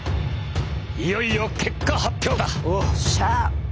いよいよ結果発表だ！